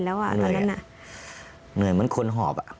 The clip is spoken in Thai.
เขาเหนื่อยอ่ะเหนื่อยเหมือนคนหอบ